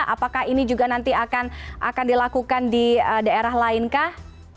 apakah ini juga nanti akan dilakukan di daerah lain kah